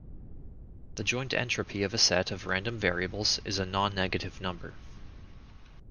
The joint entropy of a set of random variables is a nonnegative number.